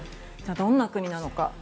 どんな国なのか。